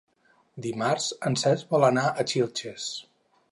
Dimarts en Cesc vol anar a Xilxes.